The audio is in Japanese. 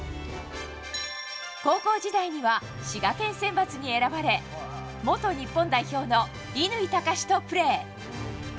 高校時代には滋賀県選抜に選ばれ、元日本代表の乾貴士とプレー。